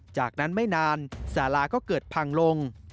จากนั้นไม่นานสาราก็เกิดพังลง